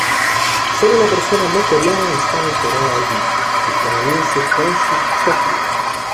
Sólo una persona no coreana está enterrada allí, el canadiense Francis Schofield.